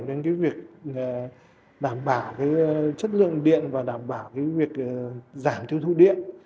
đến việc đảm bảo chất lượng điện và đảm bảo việc giảm thiêu thụ điện